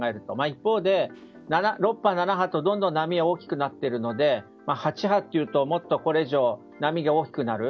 一方で、６波、７波とどんどん波が大きくなっているので８波というとこれ以上波が大きくなる。